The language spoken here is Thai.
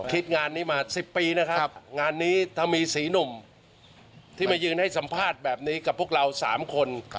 งานนี้มา๑๐ปีนะครับงานนี้ถ้ามีสีหนุ่มที่มายืนให้สัมภาษณ์แบบนี้กับพวกเรา๓คน